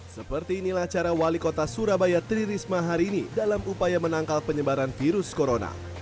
seperti inilah cara wali kota surabaya tri risma hari ini dalam upaya menangkal penyebaran virus corona